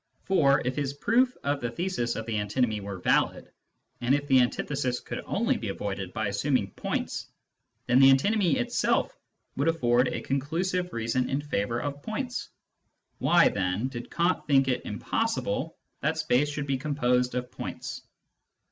For, if his proof of the thesis of the antinomy were valid, and if the antithesis could only be avoided by assuming points, then the antinomy itself would afiTord a conclusive reason in favour of points. Why, then, did Kant think it impossible that space should be composed of points